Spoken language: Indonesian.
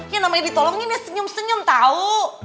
yang namanya ditolongin ya senyum senyum tahu